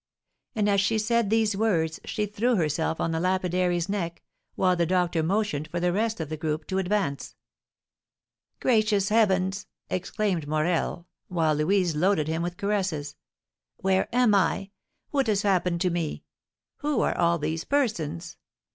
And as she said these words she threw herself on the lapidary's neck, while the doctor motioned for the rest of the group to advance. "Gracious heavens!" exclaimed Morel, while Louise loaded him with caresses. "Where am I? What has happened to me? Who are all these persons?